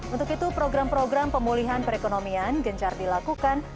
untuk itu program program pemulihan perekonomian gencar dilakukan